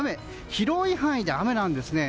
広い範囲で雨なんですね。